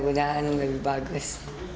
semoga lebih bagus